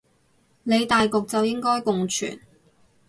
理大局就應該共存